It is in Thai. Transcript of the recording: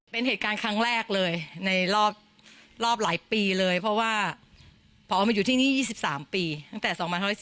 เป็นเหตุการณ์ครั้งแรกเลยในรอบหลายปีเลยเพราะว่าพอมาอยู่ที่นี่๒๓ปีตั้งแต่๒๐๑๔